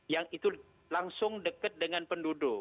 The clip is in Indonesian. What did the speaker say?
yang itu langsung dekat dengan penduduk